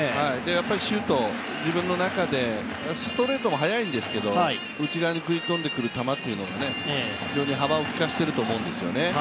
やっぱりシュート、自分の中で、ストレートも速いんですけど内側に食い込んでくる球っていうのは非常に幅をきかせていると思うんですよね。